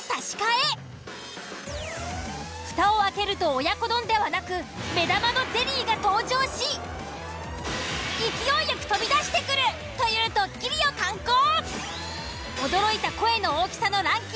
蓋を開けると親子丼ではなく目玉のゼリーが登場し勢いよく飛び出してくるというドッキリを敢行。